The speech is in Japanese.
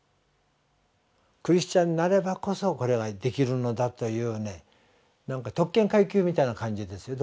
クリスチャンなればこそこれができるのだというねなんか特権階級みたいな感じですよ